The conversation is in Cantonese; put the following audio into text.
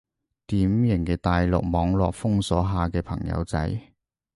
典型嘅大陸網絡封鎖下嘅朋友仔